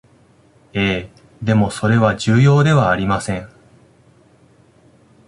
ええ、でもそれは重要ではありません